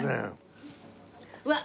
うわっ。